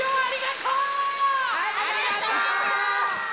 ありがとう！